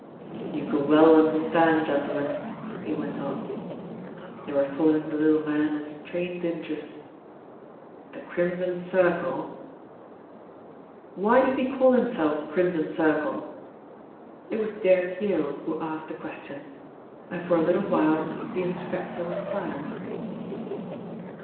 "You can well understand, gentlemen," he went on. They were following the little man with strained interest. "The Crimson Circle " "Why did he call himself Crimson Circle?" It was Derrick Yale who asked the question, and for a little while the inspector was silent.